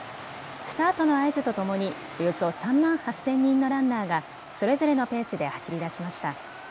スタートの合図とともにおよそ３万８０００人のランナーがそれぞれのペースで走り出しました。